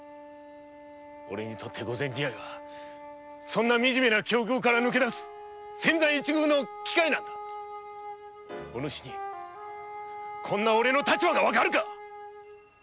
おれにとって御前試合はそんな惨めな境遇から抜け出す千載一遇の機会なのだお主にこんなおれの立場がわかるか。